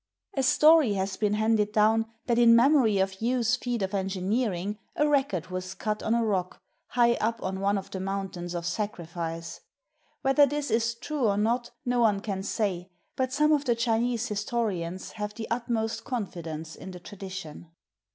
[A story has been handed down that in memory of Yu's feat of engineering a record was cut on a rock, high up on one of the mountains of sacrifice. Whether this is true or not, no one can say; but some of the Chinese historians have the utmost confidence in the tradition.